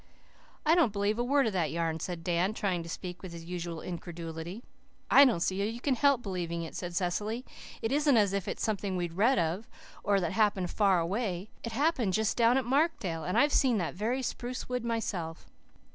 "I don't believe a word of that yarn," said Dan, trying to speak with his usual incredulity. "I don't see how you can help believing it," said Cecily. "It isn't as if it was something we'd read of, or that happened far away. It happened just down at Markdale, and I've seen that very spruce wood myself."